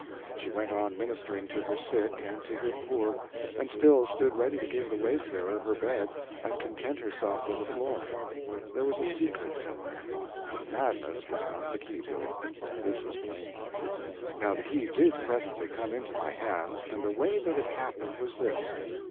She went on ministering to her sick and to her poor, and still stood ready to give the wayfarer her bed and content herself with the floor. There was a secret somewhere, but madness was not the key to it. This was plain. Now the key did presently come into my hands, and the way that it happened was this.